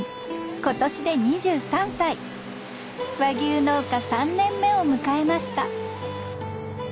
今年で２３歳和牛農家３年目を迎えました